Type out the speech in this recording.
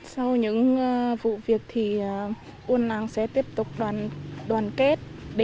sau những vụ việc thì buôn làng sẽ tiếp tục đoàn kết